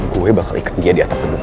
gue bakal ikat dia di atap gedung